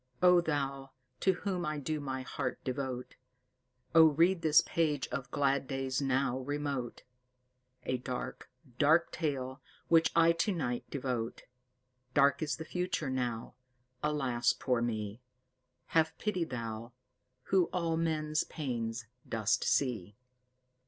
O thou, to whom I do my heart devote, Oh read this page of glad days now remote, A dark, dark tale, which I tonight devote! Dark is the future now. Alas, poor me! Have pity Thou, who all men's pains dost see."